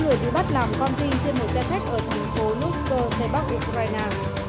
hai mươi người bị bắt làm con tin trên một xe thách ở thành phố lusker tây bắc ukraine